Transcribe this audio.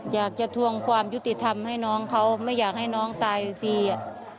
ทวงความยุติธรรมให้น้องเขาไม่อยากให้น้องตายฟรีอ่ะ